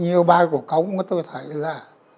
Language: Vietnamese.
nhiều bài của công tôi thấy là